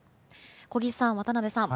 小木さん、渡辺さん